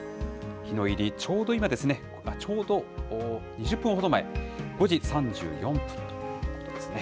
日の入り、ちょうど今ですね、ちょうど２０分ほど前、５時３４分ということですね。